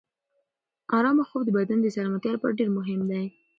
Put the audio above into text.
ارامه خوب د بدن د سلامتیا لپاره ډېر مهم دی.